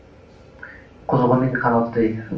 Quzg’unning qanotiday